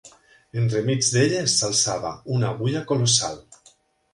Entremig d'elles s'alçava, una agulla colossal